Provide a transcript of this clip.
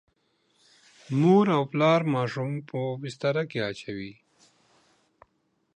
مور او پلار ماشوم په بستره کې اچوي.